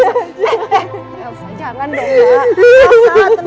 elsa jangan dong ya